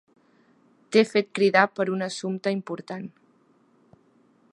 T'he fet cridar per un assumpte important.